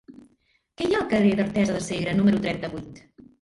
Què hi ha al carrer d'Artesa de Segre número trenta-vuit?